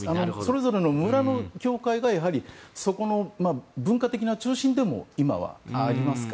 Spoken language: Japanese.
それぞれの村の教会がやはりそこの文化的な中心でも今はありますから。